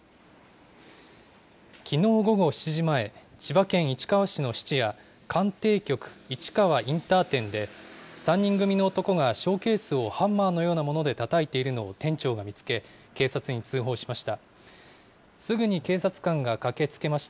きのう午後７時前、千葉県市川市の質屋、かんてい局市川インター店で、３人組の男がショーケースをハンマーのようなものでたたいているのを店長が見つけ、警察に通報しました。